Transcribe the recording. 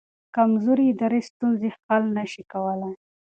کمزوري ادارې ستونزې حل نه شي کولی.